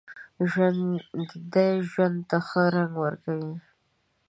ژوندي ژوند ته ښه رنګ ورکوي